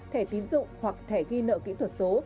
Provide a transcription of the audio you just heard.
thẻ tín dụng hoặc thẻ ghi nợ kỹ thuật số